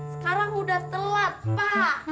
sekarang udah telat pak